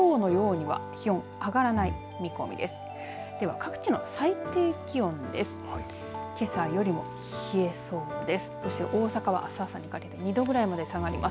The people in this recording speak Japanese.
では各地の最低気温です。